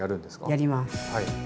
やります。